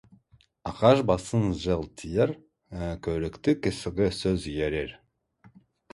Ағаш басына жел тиер, көрікті кісіге сөз ерер.